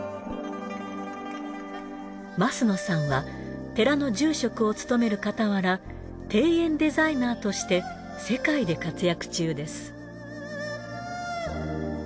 枡野さんは寺の住職を務めるかたわら庭園デザイナーとして世界で活躍中です。